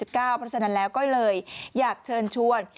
เพราะฉะนั้นแล้วก็เลยอยากเชิญชวน